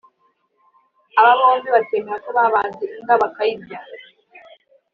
Aba bombi bakemera ko babaze imbwa bakayirya